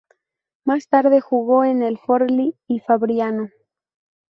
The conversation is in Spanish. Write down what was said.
Más tarde, jugó en Forlì y Fabriano.